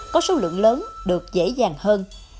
có số lượng lớn được dễ dàng hơn